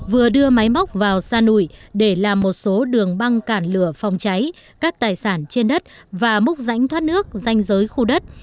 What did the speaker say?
vừa đưa máy móc vào sa nụi để làm một số đường băng cản lửa phòng cháy các tài sản trên đất và múc rãnh thoát nước danh giới khu đất